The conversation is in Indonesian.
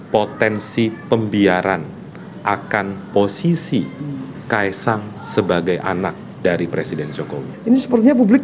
potensi pembiaran akan posisi kaisang sebagai anak dari presiden jokowi ini sepertinya publik